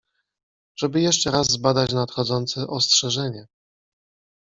żeby jeszcze raz zbadać nadchodzące ostrzeżenie.